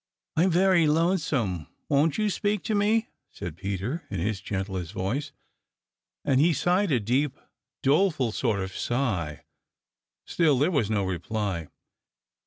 "I'm very lonesome; won't you speak to me?" said Peter, in his gentlest voice, and he sighed a deep, doleful sort of sigh. Still there was no reply.